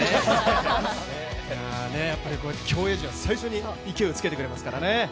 やっぱり競泳陣は最初に勢いをつけてくれますからね。